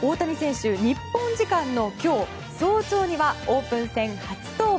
日本時間の今日早朝にはオープン戦初登板。